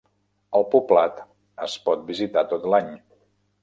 El poblat es pot visitar tot l'any.